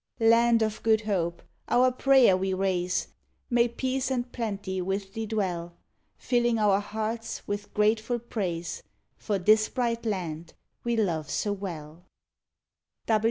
Land of Good Hope! our prayer we raise, May peace and plenty with thee dwell; Filling our hearts with grateful praise, For this bright land we love so well.